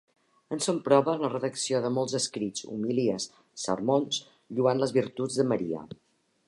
En són prova la redacció de molts escrits, homilies, sermons lloant les virtuts de Maria.